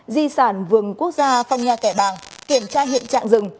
di sản vườn quốc gia phong nha kẻ bàng kiểm tra hiện trạng rừng